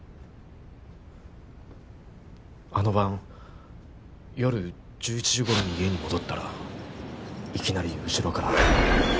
あの晩夜１１時頃に家に戻ったらいきなり後ろから。